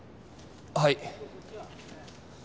はい。